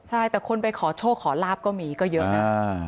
ใช่แต่คนไปขอโชคขอลาบก็มีก็เยอะนะ